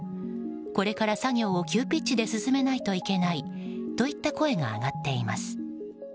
これから作業を急ピッチで進めないといけないといった声が上がっています。